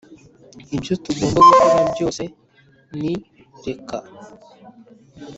ibyo tugomba gukora byose ni reka!